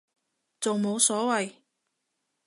仲冇所謂